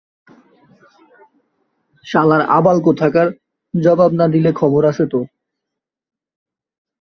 শালার আবাল কোথাকার, জবাব না দিলে খবর আছে তোর!